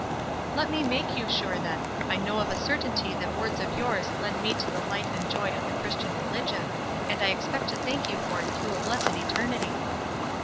"Let me make yon sure, then. I know of a certainty that words of yours led me to the light and joy of the Christian religion — and I expect to thank you for it through a blessed eternity."